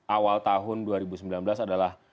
awal tahun dua ribu sembilan belas adalah